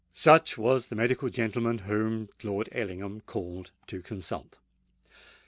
Such was the medical gentleman whom Lord Ellingham called to consult.